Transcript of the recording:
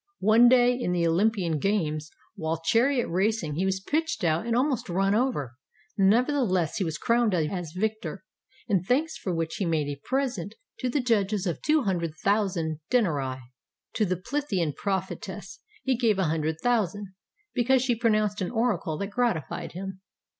"One day in the Olympian games while chariot racing he was pitched out and almost run over; nevertheless he was crowned as victor, in thanks for which he made a present to the judges of two hundred thousand denarii. To the Pythian prophetess he gave a hundred thousand, because she pronounced an oracle that gratified him.